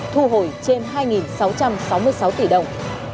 thu hồi trên hai sáu trăm sáu mươi sáu tỷ đồng